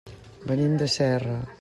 Venim de Serra.